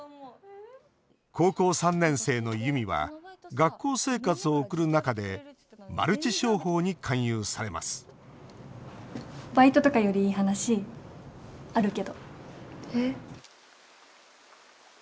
高校３年生のユミは学校生活を送る中でマルチ商法に勧誘されますバイトとかよりえ？